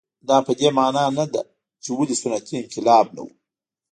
دا په دې معنا نه ده چې ولې صنعتي انقلاب نه و.